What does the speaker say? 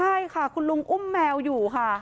ใช่ค่ะคุณลุงอุ้มแมวอยู่ค่ะ